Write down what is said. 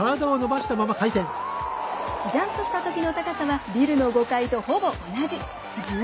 ジャンプしたときの高さはビルの５階とほぼ同じ。